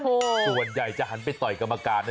ส่วนใหญ่จะหันไปต่อยกรรมการนะ